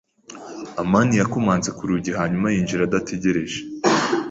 amani yakomanze ku rugi hanyuma yinjira adategereje.